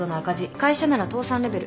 会社なら倒産レベル。